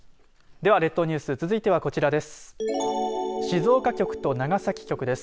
では列島ニュース続いてはこちらです。